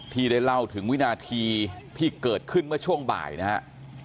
ที่ได้เล่าถึงวินาทีที่เกิดขึ้นเมื่อช่วงบ่ายนะครับ